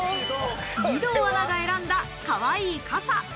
義堂アナが選んだ、かわいい傘。